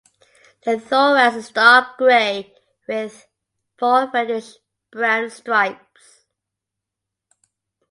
The thorax is dark gray with four reddish brown stripes.